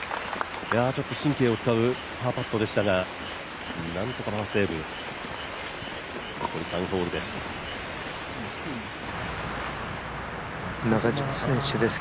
神経を使うパーパットでしたがなんとかナイスセーブ、残り３ホールです。